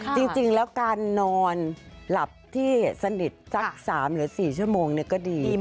จริงแล้วการนอนหลับที่สนิทสัก๓หรือ๔ชั่วโมงก็ดี